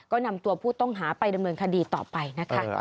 ก็นำตัวผู้ต้องหาไปดำเนินคดีต่อไปนะคะ